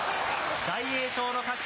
大栄翔の勝ち。